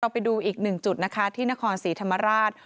ไปดูอีกหนึ่งจุดนะคะที่นครศรีธรรมราช